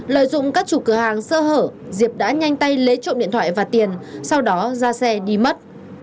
lợi dụng các chủ cửa hàng sơ hở diệp đã nhanh tay lấy trộm điện thoại và tiền sau đó ra xe đi mất